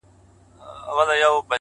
د زړه لاسونه مو مات . مات سول پسي.